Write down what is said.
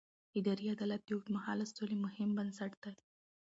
اداري عدالت د اوږدمهاله سولې مهم بنسټ دی